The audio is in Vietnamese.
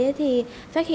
em ngủ hơi sâu